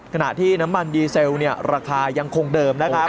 ขณะที่น้ำมันดีเซลราคายังคงเดิมนะครับ